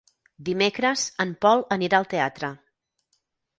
Dimecres en Pol anirà al teatre.